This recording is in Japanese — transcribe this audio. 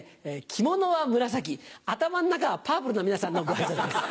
着物は紫頭の中はパプルな皆さんのご挨拶です。